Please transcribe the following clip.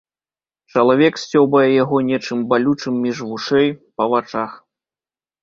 Чалавек сцёбае яго нечым балючым між вушэй, па вачах.